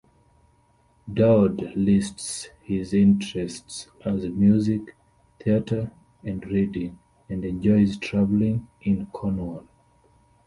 Dowd lists his interests as music, theatre and reading, and enjoys travelling in Cornwall.